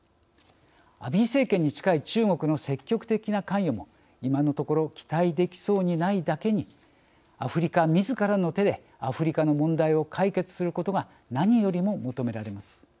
アビー政権に近い中国の積極的な関与も今のところ期待できそうにないだけにアフリカみずからの手でアフリカの問題を解決することが何よりも求められます。